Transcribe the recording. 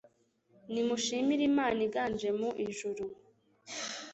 Nimushimire Imana iganje mu ijuru